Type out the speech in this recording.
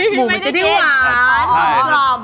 หมูมันจะได้หวานหมูกรอบ